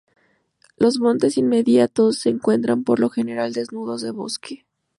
Los montes inmediatos se encuentran por lo general desnudos de bosque.